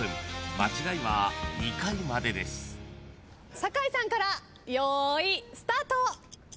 酒井さんから用意スタート。